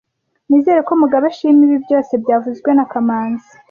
Nizere ko Mugabe ashima ibi byose byavuzwe na kamanzi